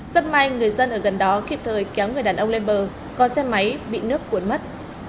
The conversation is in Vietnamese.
rất may người dân ở gần đó kịp thời kéo người đàn ông lên bờ có xe máy bị nước cuốn mất